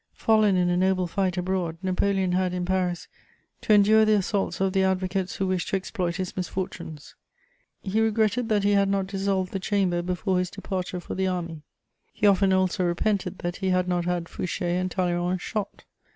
[Sidenote: Flight of Napoleon.] Fallen in a noble fight abroad, Napoleon had, in Paris, to endure the assaults of the advocates who wished to exploit his misfortunes: he regretted that he had not dissolved the Chamber before his departure for the army; he often also repented that he had not had Fouché and Talleyrand shot.